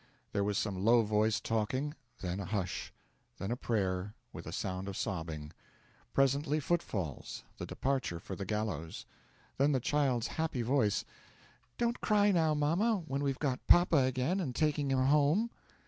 There was some low voiced talking; then a hush; then a prayer, with a sound of sobbing; presently, footfalls the departure for the gallows; then the child's happy voice: 'Don't cry now, mamma, when we've got papa again, and taking him home.'